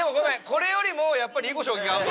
これよりもやっぱり囲碁将棋がアウト。